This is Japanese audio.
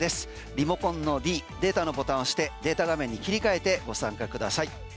リモコンのｄデータのボタンを押して、データ画面に切り替えてご参加ください。